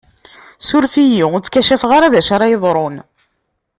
Suref-iyi, ur tkacafeɣ ara d acu ara yeḍṛun!